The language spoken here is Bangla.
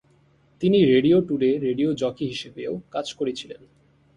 তিনি রেডিও টুডে রেডিও জকি হিসাবেও কাজ করেছিলেন।